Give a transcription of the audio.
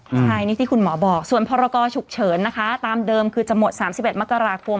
ใช่นี่ที่คุณหมอบอกส่วนพรกรฉุกเฉินนะคะตามเดิมคือจะหมด๓๑มกราคม